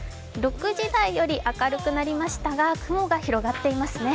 ６時台よりも明るくなりましたが、雲が広がっていますね。